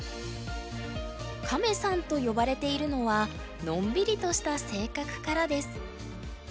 「カメさん」と呼ばれているのはのんびりとした性格からです。